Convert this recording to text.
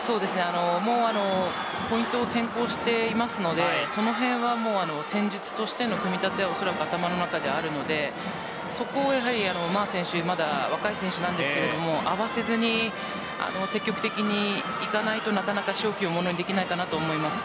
もうポイントを先行しているのでその辺は戦術としての組み立てをおそらく頭の中にあるのでそこをマ・ジャンジャオ選手は若い選手ですが合わせずに積極的にいかないとなかなか勝機を物にできないと思います。